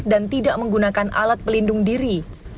dan tidak menggunakan alat pelindung diri